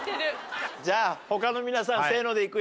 じゃあ他の皆さん「せーの」でいくよ。